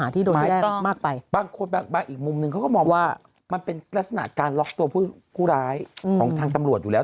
ตัวผู้ร้ายของทางตำรวจอยู่แล้ว